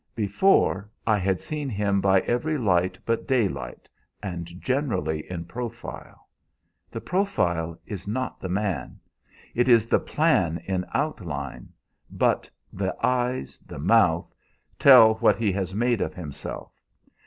Before, I had seen him by every light but daylight, and generally in profile. The profile is not the man. It is the plan in outline, but the eyes, the mouth, tell what he has made of himself.